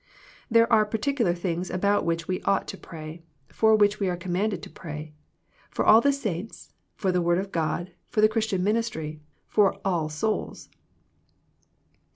There are particular things about which we ought to pray, for which we are commanded to pray ; for all the saints, for the Word of God, for the Christian ministry, for all souls.